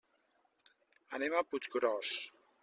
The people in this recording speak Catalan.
Anem a Puiggròs.